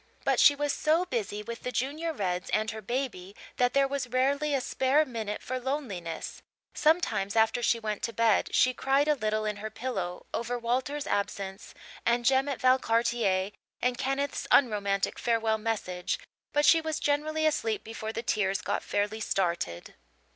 But she was so busy with the Junior Reds and her baby that there was rarely a spare minute for loneliness; sometimes, after she went to bed, she cried a little in her pillow over Walter's absence and Jem at Valcartier and Kenneth's unromantic farewell message, but she was generally asleep before the tears got fairly started.